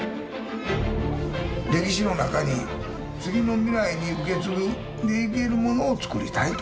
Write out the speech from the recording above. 歴史の中に次の未来に受け継いでいけるものをつくりたいと。